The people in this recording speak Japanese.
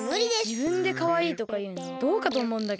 じぶんでかわいいとかいうのどうかとおもうんだけど。